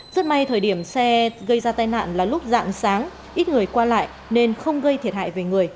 rất may thời điểm xe gây ra tai nạn là lúc dạng sáng ít người qua lại nên không gây thiệt hại về người